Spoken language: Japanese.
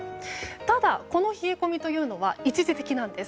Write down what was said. ただ、この冷え込みは一時的なんです。